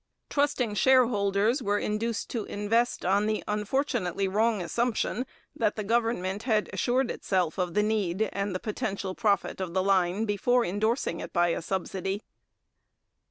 Trusting shareholders were induced to invest on the unfortunately wrong assumption that the government had assured itself of the need and the potential profit of the line before endorsing it by a subsidy.